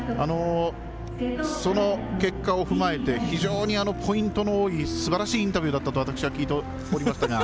その結果を踏まえて非常にポイントの多いすばらしいインタビューだったと聞いておりましたが。